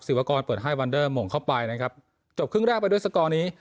วากรเปิดให้วันเดอร์หม่งเข้าไปนะครับจบครึ่งแรกไปด้วยสกอร์นี้